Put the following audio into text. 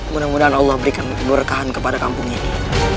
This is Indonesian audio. mudah mudahan allah memberikan kemerdekaan kepada kampung ini